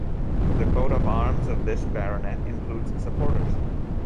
The coat of arms of this baronet includes supporters.